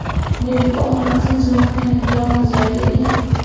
Nilikuwa mwanafunzi mwenye nidhamu zaidi